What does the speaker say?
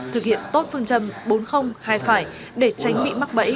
thực hiện tốt phương châm bốn hai năm để tránh bị mắc bẫy các đối tượng lừa đảo trên mạng xã hội